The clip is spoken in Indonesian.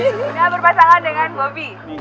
sudah berpasangan dengan bobby